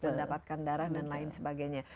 mendapatkan darah dan lain sebagainya